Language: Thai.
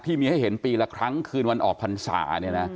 ที่มีให้เห็นปีละครั้งคืนวันออกพรรษาเนี่ยนะ